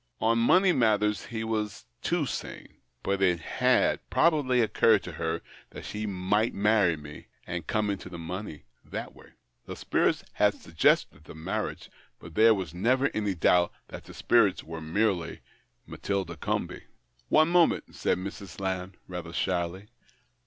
On money matters he was too sane. But it had probably occurred to her that she might marry me, and come into the money that way. The spirits had suggested the 78 THE OCTAVE OF CLAUDIUS. marriage, but there was never any doubt that the spirits were merely Matilda Comby." " One moment," said Mrs. Lamb, rather shyly.